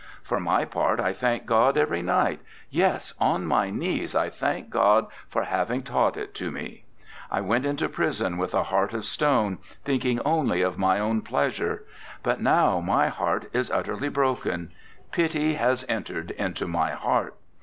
For my part I thank God every night, yes, on my knees I thank God for having taught it to me. I went into prison with a heart of stone, thinking only of my own pleasure, but now my heart is utterly broken pity has entered into my heart.